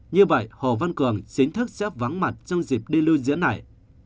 như vậy hồ văn cường chính thức sẽ vắng mặt trong dịp đi lưu diễn này